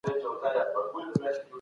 مشران څنګه نړیوال قانون عملي کوي؟